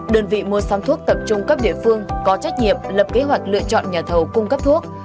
đơn vị mua sắm thuốc tập trung cấp địa phương có trách nhiệm lập kế hoạch lựa chọn nhà thầu cung cấp thuốc